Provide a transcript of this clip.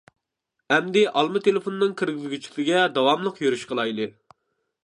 ئەمدى ئالما تېلېفوننىڭ كىرگۈزگۈچىسىگە داۋاملىق يۈرۈش قىلايلى.